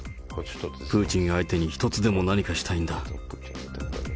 プーチン相手に一つでも何かしたいんだ。